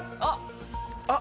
あっ！